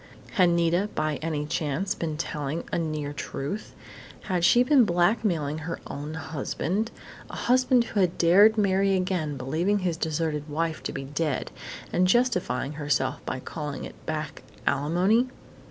_ Had Nita, by any chance, been telling a near truth? Had she been blackmailing her own husband a husband who had dared marry again, believing his deserted wife to be dead and justifying herself by calling it "back alimony?"